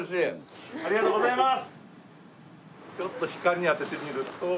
ありがとうございます！